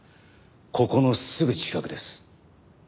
ここのすぐ近くです。